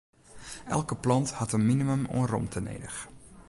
Elke plant hat in minimum oan romte nedich.